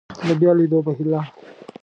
د بیا لیدو په هیله